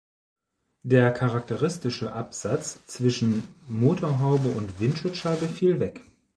Der charakteristische Absatz zwischen Motorhaube und Windschutzscheibe fiel weg.